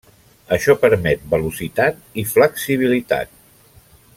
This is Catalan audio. Això permet velocitat i flexibilitat.